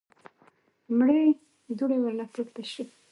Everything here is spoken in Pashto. مړې دوړې ورنه پورته شوې.